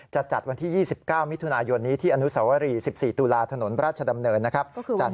จัดวันที่๒๙มิถุนายนนี้ที่อนุสวรี๑๔ตุลาถนนราชดำเนินนะครับ